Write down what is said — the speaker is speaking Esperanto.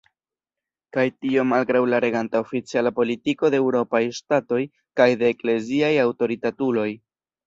Kaj tio malgraŭ la reganta oficiala politiko de eŭropaj ŝtatoj kaj de ekleziaj aŭtoritatuloj.